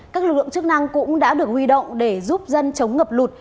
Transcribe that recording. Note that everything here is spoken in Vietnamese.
các lực lượng chức năng cũng đã được huy động để giúp dân chống ngập lụt